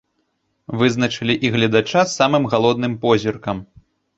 Вызначылі і гледача з самым галодным позіркам.